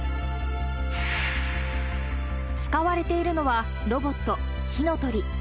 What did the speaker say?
使われているのは、ロボット、ヒノトリ。